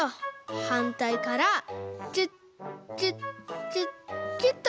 はんたいからキュッキュッキュッキュッと。